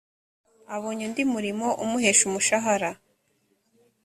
abonye undi murimo umuhesha umushahara